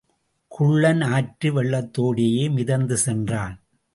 குள்ளன் ஆற்று வெள்ளத்தோடேயே மிதந்து சென்றான்.